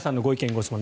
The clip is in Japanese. ・ご質問